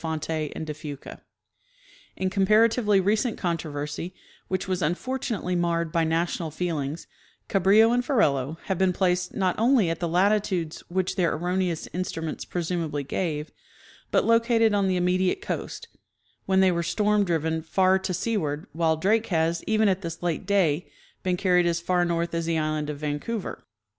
Fonte and de Fuca. In comparatively recent controversy, which was un fortunately marred by national feelings, Cabrillo and Ferrelo have been placed not only at the latitudes which their erroneous in struments presumably gave, but located on the immediate coast, when they were storm driven far to seaward, while Drake has, even at this late day, been carried as far north as the island of Vancouver.